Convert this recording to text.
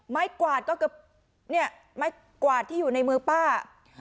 กวาดก็คือเนี่ยไม้กวาดที่อยู่ในมือป้า